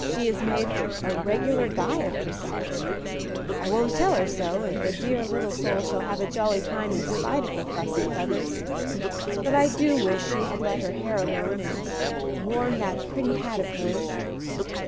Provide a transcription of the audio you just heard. "She has made a regular guy of herself; I won't tell her so, and the dear little soul shall have a jolly time in spite of her fuss and feathers. But I do wish she had let her hair alone and worn that pretty hat of hers."